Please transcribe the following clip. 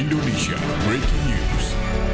indonesia breaking news